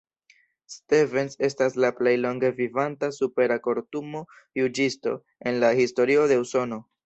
Stevens estas la plej longe vivanta Supera-Kortumo-juĝisto en la historio de Usono.